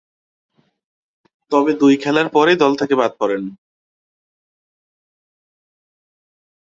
তবে, দুই খেলার পরই দল থেকে বাদ পড়েন।